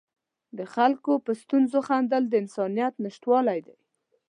د خلکو په ستونزو خندل د انسانیت نشتوالی دی.